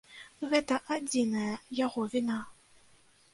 Гэта адзіная яго віна.